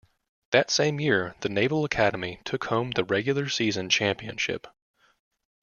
That same year the Naval Academy took home the regular season championship.